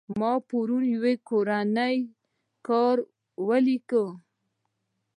ما پرون يو کورنى کار وليکى.